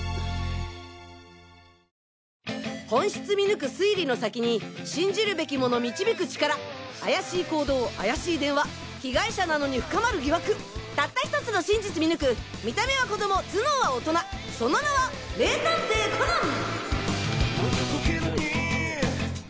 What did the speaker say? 本質見抜く推理の先に信じるべきもの導く力怪しい行動怪しい電話被害者なのに深まる疑惑たった１つの真実見抜く見た目は子供頭脳は大人その名は名探偵コナン！